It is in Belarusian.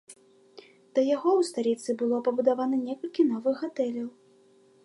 Да яго ў сталіцы было пабудавана некалькі новых гатэляў.